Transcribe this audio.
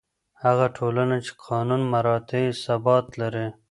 هغه ټولنه چې قانون مراعتوي، ثبات لري.